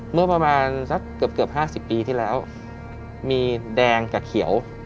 เมื่อประมาณสักเกือบ๕๐ปีที่แล้ว